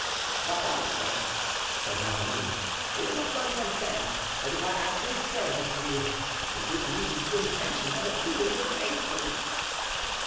"But, also," said Mazarin, "you must understand that if I ask this service from you it is with the intention of being grateful."